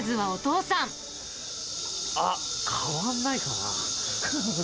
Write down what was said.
あっ、変わんないかな。